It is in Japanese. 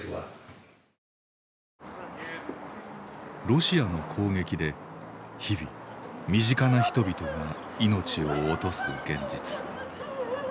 ロシアの攻撃で日々身近な人々が命を落とす現実。